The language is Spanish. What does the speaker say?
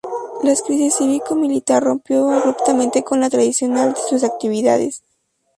La crisis cívico-militar rompió abruptamente con la tradicional de sus actividades.